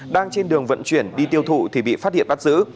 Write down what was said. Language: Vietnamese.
đang trên đường vận chuyển đi tiêu thụ thì bị phát hiện bắt giữ